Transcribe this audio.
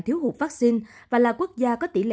thiếu hụt vaccine và là quốc gia có tỷ lệ